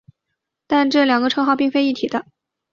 但这两个称号并非一体的。